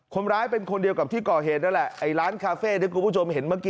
คนร้ายเป็นคนเดียวกับที่ก่อเหตุนั่นแหละไอ้ร้านคาเฟ่ที่คุณผู้ชมเห็นเมื่อกี้